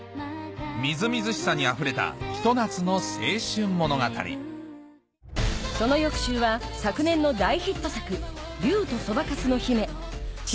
みずみずしさにあふれたひと夏の青春物語その翌週は昨年の大ヒット作